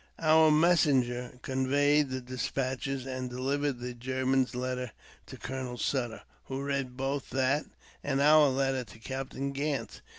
Our messenger conveyed the despatches, and delivered the German's letter to Colonel Sutter, who read both that and our letter to Captain Gant.